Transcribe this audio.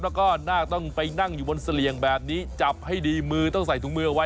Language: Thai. แล้วก็นาคต้องไปนั่งอยู่บนเสลี่ยงแบบนี้จับให้ดีมือต้องใส่ถุงมือเอาไว้